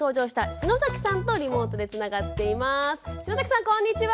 篠崎さんこんにちは。